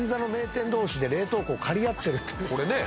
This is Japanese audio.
これね。